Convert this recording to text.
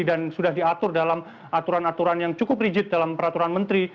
dan sudah diatur dalam aturan aturan yang cukup rigid dalam peraturan menteri